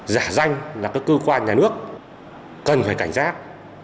giả danh là các cơ quan nhà nước cần phải cảnh giác